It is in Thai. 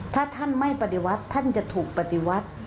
ถ้าท่านไม่ปฏิวัติท่านจะถูกปฏิวัติ